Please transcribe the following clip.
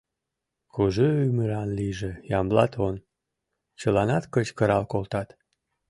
— Кужу ӱмыран лийже Ямблат он! — чыланат кычкырал колтат.